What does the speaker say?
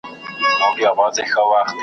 طبیعت د ژوند ښکلا زیاتوي.